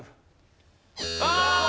ああ！